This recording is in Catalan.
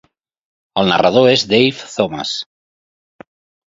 El narrador és Dave Thomas.